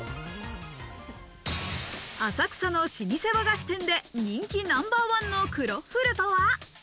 浅草の老舗和菓子店で人気ナンバーワンのクロッフルとは？